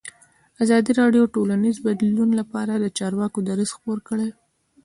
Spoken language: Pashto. ازادي راډیو د ټولنیز بدلون لپاره د چارواکو دریځ خپور کړی.